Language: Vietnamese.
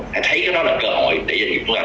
hãy thấy cái đó là cơ hội để dành cho chúng ta